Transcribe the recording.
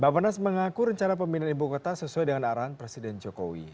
bapak nas mengaku rencana pemindahan ibu kota sesuai dengan arahan presiden jokowi